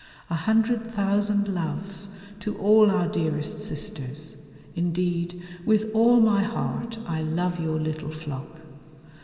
A hundred thousand loves to all our dearest sisters; indeed with all my heart I love your little flock.